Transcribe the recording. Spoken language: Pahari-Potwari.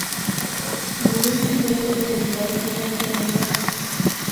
مڑے تھی پہلے او دادھیال گینے چاہنا سا